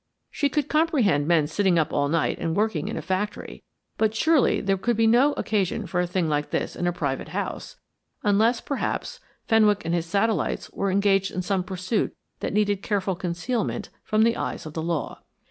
She could comprehend men sitting up all night and working in a factory, but surely there could be no occasion for a thing like this in a private house, unless, perhaps, Fenwick and his satellites were engaged in some pursuit that needed careful concealment from the eyes of the law.